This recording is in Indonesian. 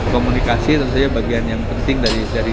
komunikasi tentu saja bagian yang penting dari